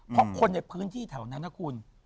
เพราะคนในพื้นที่แถวนั้นนะคุณ